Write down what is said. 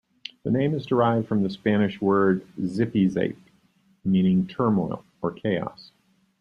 Their name is derived from the Spanish word "zipizape", meaning "turmoil" or "chaos.